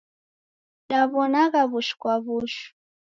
Diw'onanagha w'ushu kwa w'ushu.